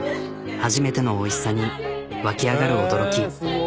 初めてのおいしさに湧き上がる驚き。